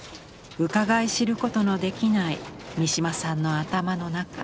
うかがい知ることのできない三島さんの頭の中。